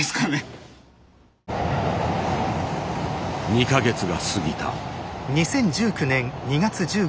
２か月が過ぎた。